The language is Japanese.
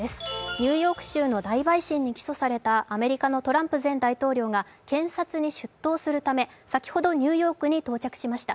ニューヨーク州の大陪審に起訴されたアメリカのトランプ前大統領が検察に出頭するため先ほどニューヨークに到着しました。